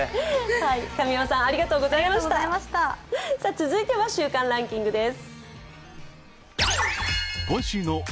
続いては週間ランキングです。